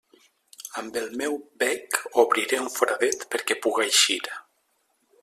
Amb el meu bec obriré un foradet perquè puga eixir.